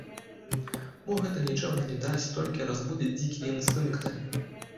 Мо гэта нічога не дасць, толькі разбудзіць дзікія інстынкты?